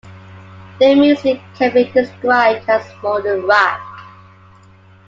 Their music can be described as modern rock.